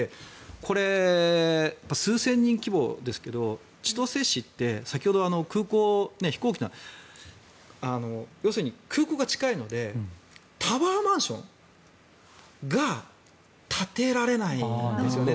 これ、数千人規模ですけど千歳市って先ほど空港が要するに、空港が近いのでタワーマンションが建てられないんですよね。